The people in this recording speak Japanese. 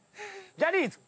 ジャニーズ！